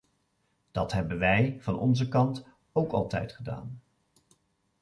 Dat hebben wij van onze kant ook altijd gedaan.